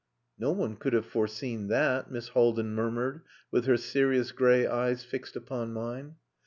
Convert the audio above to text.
"No one could have foreseen that," Miss Haldin murmured, with her serious grey eyes fixed upon mine.